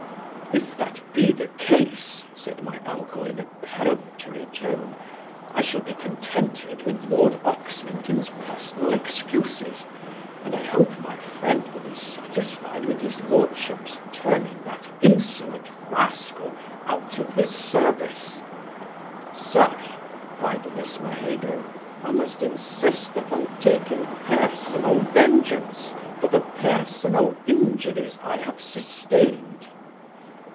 'If that be the case (said my uncle, in a peremptory tone), I shall be contented with lord Oxmington's personal excuses; and I hope my friend will be satisfied with his lordship's turning that insolent rascal out of his service.' 'Sir (cried Lismahago), I must insist upon taking personal vengeance for the personal injuries I have sustained.